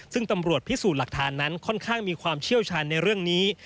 ซึ่งตำรวจพิสูจน์หลักฐานนั้นค่อนข้างมีความเชี่ยวชาญในเรื่องนี้